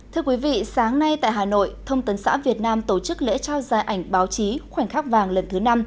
thưa quý vị sáng nay tại hà nội thông tấn xã việt nam tổ chức lễ trao giải ảnh báo chí khoảnh khắc vàng lần thứ năm